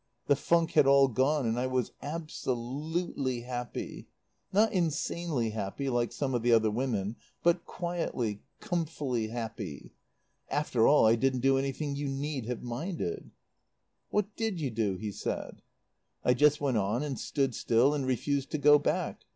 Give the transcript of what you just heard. The funk had all gone and I was absolutely happy. Not insanely happy like some of the other women, but quietly, comfily happy. "After all, I didn't do anything you need have minded." "What did you do?" he said. "I just went on and stood still and refused to go back.